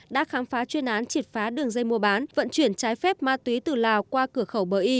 đã khám phá chuyên án triệt phá đường dây mua bán vận chuyển trái phép ma túy từ lào qua cửa khẩu bờ y